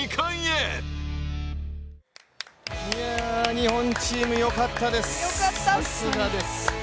日本チームよかったです、さすがです。